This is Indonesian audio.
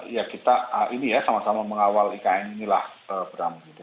ya kita ini ya sama sama mengawal ikn inilah bram gitu